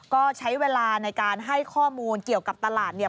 ก็ใช้เวลาในการให้ข้อมูลเกี่ยวกับตลาดเนี่ย